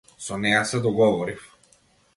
Со неа се договорив.